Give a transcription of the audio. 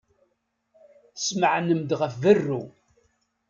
Tesmeɛnem-d ɣef berru.